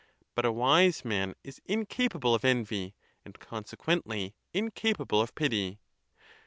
But a wise man is incapable of envy, and consequently incapable of pity.